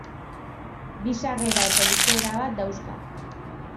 Bi sarrera eta irteera bat dauzka.